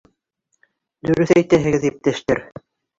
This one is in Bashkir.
— Дөрөҫ әйтәһегеҙ, иптәштәр.